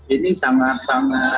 ini sangat sangat besar ya